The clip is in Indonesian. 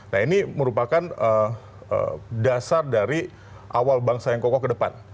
nah ini merupakan dasar dari awal bangsa yang kokoh ke depan